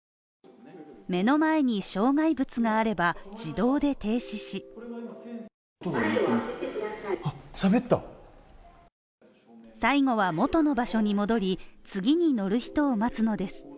目の前に障害物があれば自動で停止し最後は元の場所に戻り、次に乗る人を待つのです。